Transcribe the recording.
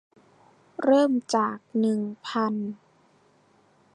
เริ่มจาก หนึ่งพัน